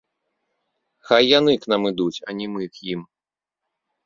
Хай яны к нам ідуць, а не мы к ім!